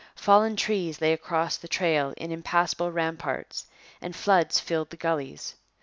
Fallen trees lay across the trail in impassable ramparts and floods filled the gullies.